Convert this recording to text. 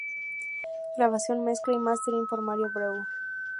Grabación, mezcla y mastering por Mario Breuer